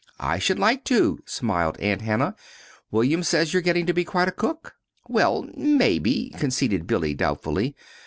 "I should like to," smiled Aunt Hannah. "William says you're getting to be quite a cook." "Well, maybe," conceded Billy, doubtfully.